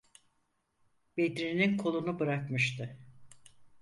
Bedri’nin kolunu bırakmıştı.